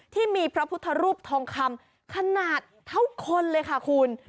ที่มีพระพุทธรูปทองคำขนาดเท่าคนเลยค่ะคุณ